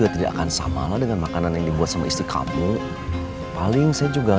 ya sudah kos kalau begitu saya permisi ya